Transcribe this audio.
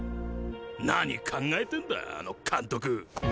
何考えてんだあの監督。